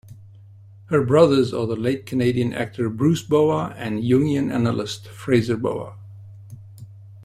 Her brothers are the late Canadian actor Bruce Boa and Jungian analyst Fraser Boa.